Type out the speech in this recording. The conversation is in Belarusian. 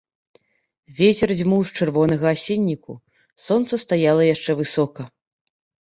Вецер дзьмуў з чырвонага асінніку, сонца стаяла яшчэ высока.